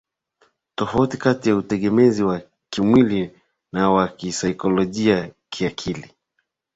tofauti kati ya utegemezi wa kimwili na wa kisaikolojia kiakili